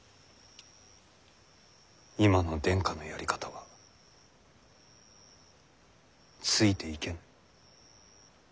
今の殿下のやり方はついていけぬ。